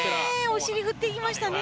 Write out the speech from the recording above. お尻振っていきましたね。